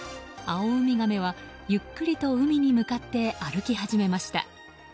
アオウミガメはゆっくりと海に向かって歩き始めました。